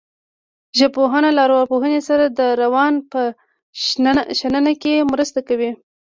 ژبپوهنه له ارواپوهنې سره د روان په شننه کې مرسته کوي